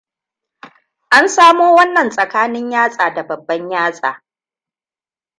An samo wannan tsakanin yatsa da babban yatsa.